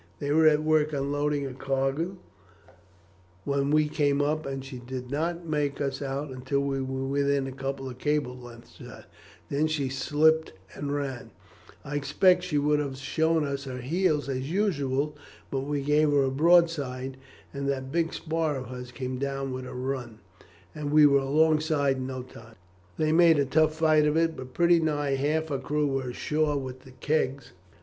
They were at work unloading a cargo when we came up, and she did not make us out until we were within a couple of cables' length of her, then she slipped and ran; I expect she would have shown us her heels as usual, but we gave her a broadside, and that big spar of hers came down with a run, and we were alongside in no time. They made a tough fight of it, but pretty nigh half her crew were ashore with the kegs.